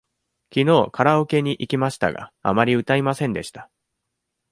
きのうカラオケに行きましたが、あまり歌いませんでした。